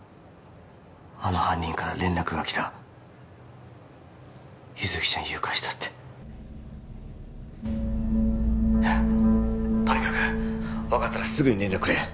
あの犯人から連絡がきた優月ちゃん誘拐したってとにかく分かったらすぐに連絡くれ